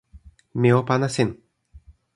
mi o pana sin!